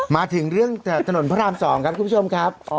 มาถึงเรื่องถนนพระราม๒ครับคุณผู้ชมครับ